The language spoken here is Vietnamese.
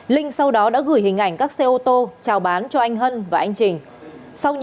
linh sau đó đã gửi hình ảnh các xe ô tô trao bán cho anh hân và anh trình